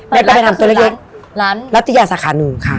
แม่ก็ไปทำตัวละเย็นร้านรัตยาสาขานุค่ะ